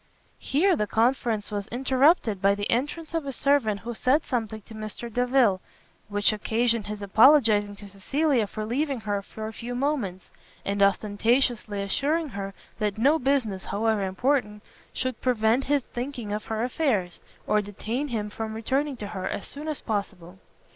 Here the conference was interrupted by the entrance of a servant who said something to Mr Delvile, which occasioned his apologizing to Cecilia for leaving her for a few moments, and ostentatiously assuring her that no business, however important, should prevent his thinking of her affairs, or detain him from returning to her as soon as possible.